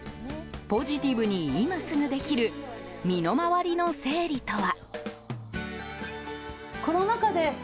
ポジティブに今すぐできる身の回りの整理とは？